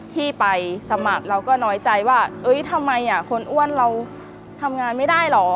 ที่ไปสมัครเราก็น้อยใจว่าทำไมคนอ้วนเราทำงานไม่ได้เหรอ